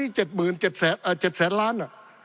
ปี๑เกณฑ์ทหารแสน๒